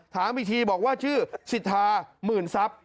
ถามอีกทีบอกว่าชื่อสิทธาหมื่นทรัพย์